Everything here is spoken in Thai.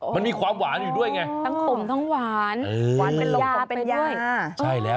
มันมีความหวานอยู่ด้วยไงทั้งขมทั้งหวานหวานเป็นลมด้วยใช่แล้ว